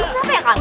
itu kenapa ya kak